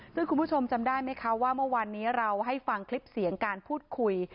ซึ่งคุณผู้ชมจำได้ไหมคะว่าเมื่อวานนี้เราให้ฟังคลิปเสียงการพูดคุย